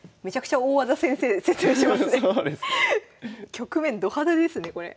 局面ド派手ですねこれ。